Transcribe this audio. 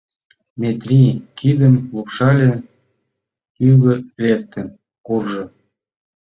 Метрий кидым лупшале, тӱгӧ лектын куржо.